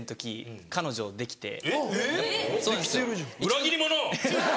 裏切り者！